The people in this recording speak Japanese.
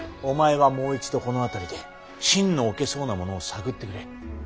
お前はもう一度この辺りで信の置けそうな者を探ってくれ。